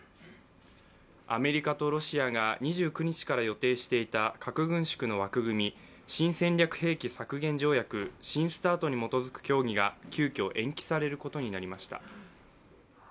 アメリカとロシアが２９日から予定されていた核軍縮の枠組み、新戦略兵器削減条約＝新ＳＴＡＲＴに基づく協議が急きょ延期されることになりました。